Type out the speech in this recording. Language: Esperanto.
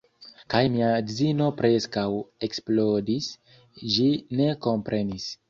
Kaj mia edzino preskaŭ eksplodis, ĝi ne komprenis.